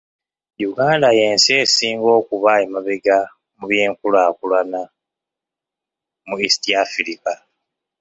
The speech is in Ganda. "Uganda y'ensi esinga okuba emabega mu by'enkulaakulana mu East Africa.